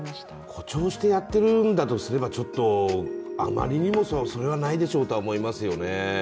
誇張してやってるんだとすればちょっとあまりにもそれはないでしょうと思いますよね。